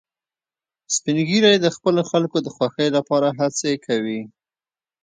سپین ږیری د خپلو خلکو د خوښۍ لپاره هڅې کوي